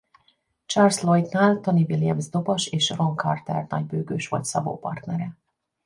Charles Lloydnál Tony Williams dobos és Ron Carter nagybőgős volt Szabó partnere.